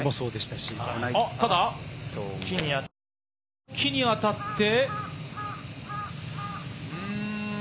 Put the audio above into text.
ただ木に当たって。